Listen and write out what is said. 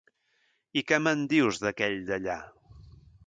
I què me'n dius d'aquell d'allà?